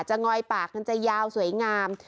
งอยปากมันจะยาวสวยงาม